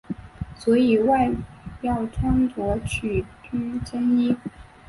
所以外要穿着曲裾深衣。